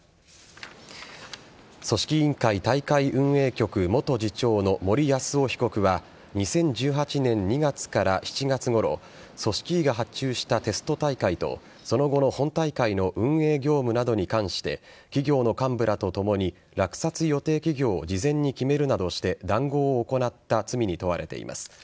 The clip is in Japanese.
組織委員会大会運営局元次長の森泰夫被告は２０１８年２月から７月ごろ組織委が発注したテスト大会とその後の本大会の運営業務などに関して企業の幹部らとともに落札予定企業を事前に決めるなどして談合を行った罪に問われています。